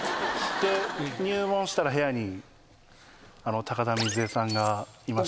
入門したら部屋に高田みづえさんがいまして。